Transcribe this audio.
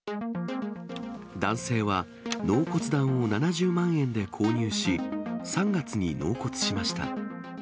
男性は納骨壇を７０万円で購入し、３月に納骨しました。